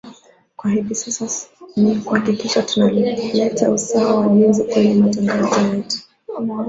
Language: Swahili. kwa hivi sasa ni kuhakikisha tuna leta usawa wa jinsia kwenye matangazo yetu